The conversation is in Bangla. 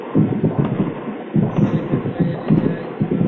মানিমেগলাই, এদিকে আয় - কি বাবা?